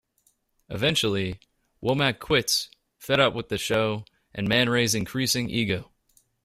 Eventually, Womack quits, fed up with the show and Manray's increasing ego.